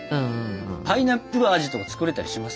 パイナップル味とか作れたりします？